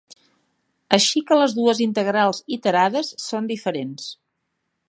Així que les dues integrals iterades són diferents.